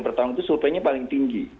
pertahun tahun itu surveinya paling tinggi